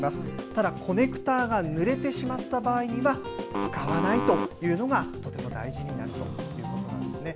ただ、コネクターがぬれてしまった場合には、使わないというのがとても大事になるということなんですね。